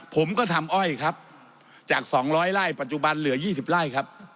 ผมก็ทำอ้อยครับจาก๒๐๐ไร่ปัจจุบันเหลือ๒๐ไร่ครับ